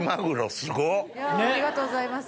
ありがとうございます。